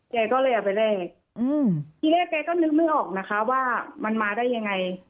แกก็เลยเอาไปแลกอืมทีแรกแกก็นึกไม่ออกนะคะว่ามันมาได้ยังไง